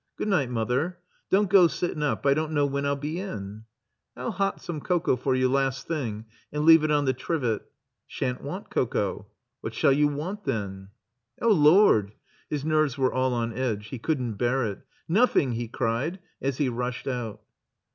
Good night. Mother. Don't go sittin' up. I don't know when I'll be in." "I'll hot some cocoa for you last thing and leave it on the trivet." "Sha'n't want cocoa." "What shall you want then?" "Oh, Lord!" His nerves were all on edge. He couldn't bear it. '*Nothingr he cried, as he rushed out.